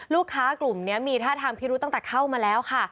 ลูกค้ากลุ่มนี้มีท่าทางพิรุษตั้งแต่เข้ามาแล้วค่ะ